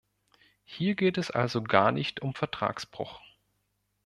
Hier geht es also gar nicht um Vertragsbruch.